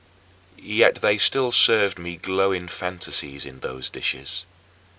" Yet they still served me glowing fantasies in those dishes.